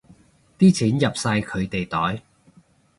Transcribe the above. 啲錢入晒佢哋袋